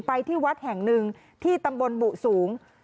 ที่วัดแห่งหนึ่งที่ตำบลบุสูง